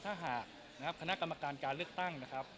ถ้าหากนะครับคณะกรรมการการเลือกตั้งนะครับ